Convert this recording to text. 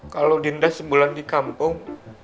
kalau dindas sebulan di kampung